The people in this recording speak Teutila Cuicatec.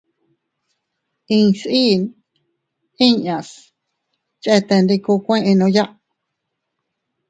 Insiin inñas chetendikokuennooya.